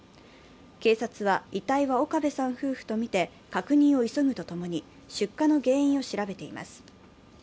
警察は、遺体は岡部さん夫婦とみて確認を急ぐとともに出火の原因を調べています。